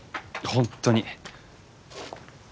本当に。